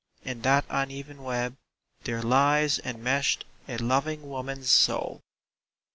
In that uneven web There lies enmeshed a loving woman's soul